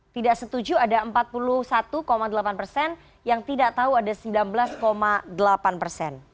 tidak setuju ada empat puluh satu delapan persen yang tidak tahu ada sembilan belas delapan persen